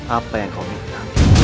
apa yang kau minta